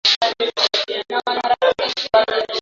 Cambridge na Oxford ni nyumba za vyuo vikuu